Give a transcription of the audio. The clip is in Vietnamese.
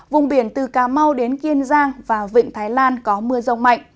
vùng biển từ cà mau đến kiên giang và vịnh thái lan có mưa rông mạnh